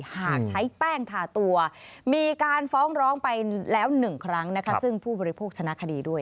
หากใช้แป้งทาตัวมีการฟ้องร้องไปแล้ว๑ครั้งนะคะซึ่งผู้บริโภคชนะคดีด้วย